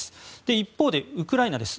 一方でウクライナです。